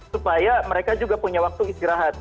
supaya mereka juga punya waktu istirahat